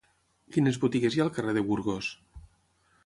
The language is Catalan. Quines botigues hi ha al carrer de Burgos?